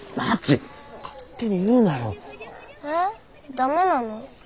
ダメなの？